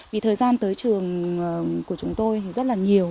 vì thời gian tới trường của chúng tôi thì rất là nhiều